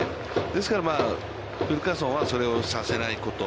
ですから、ウィルカーソンはそれをさせないこと。